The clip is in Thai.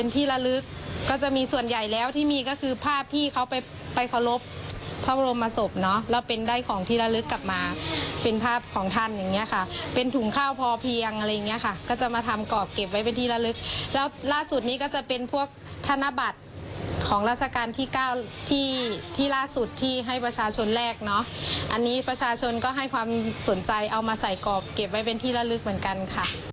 ที่ล่าสุดที่ให้ประชาชนแรกเนอะอันนี้ประชาชนก็ให้ความสนใจเอามาใส่กรอบเก็บไว้เป็นที่ระลึกเหมือนกันค่ะ